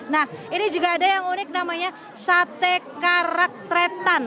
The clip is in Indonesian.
nah ini juga ada yang unik namanya sate karaktretan